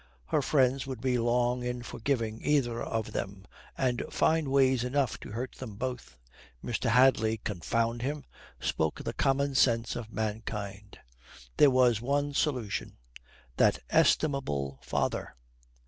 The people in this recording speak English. Her friends would be long in forgiving either of them, and find ways enough to hurt them both. Mr. Hadley, confound him, spoke the common sense of mankind. There was one solution that estimable father.